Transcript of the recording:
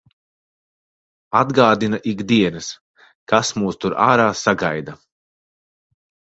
Atgādina ik dienas, kas mūs tur ārā sagaida.